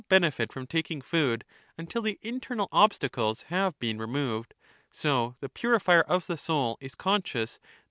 benefit from taking food until the internal obstacles have sxRAHCBa, been removed, so the purifier of the soul is conscious that Theabthus.